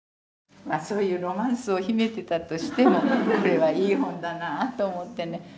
そういうロマンスを秘めてたとしてもこれはいい本だなぁと思ってね